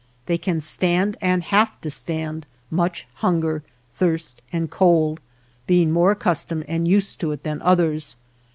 They can stand, and have to stand, much hunger, thirst and cold, being more accustomed and used to it than others.